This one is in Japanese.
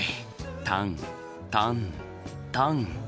タンタンタン。